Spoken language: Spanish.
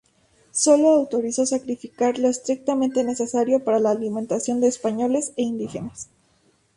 Sólo autorizó sacrificar lo estrictamente necesario para la alimentación de españoles e indígenas.